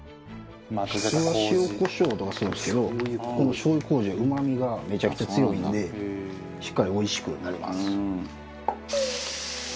普通は塩コショウとかするんですけどこの醤油麹はうまみがめちゃくちゃ強いんでしっかりおいしくなります。